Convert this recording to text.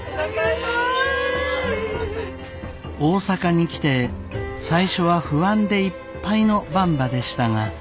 大阪に来て最初は不安でいっぱいのばんばでしたが。